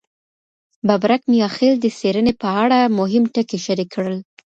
ببرک میاخیل د څېړني په اړه مهم ټکي شریک کړل.